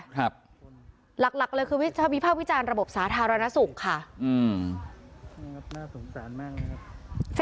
หลักหลักเลยคือวิภาควิจารณ์ระบบสาธารณสุขค่ะอืมครับน่าสงสารมากไหมครับ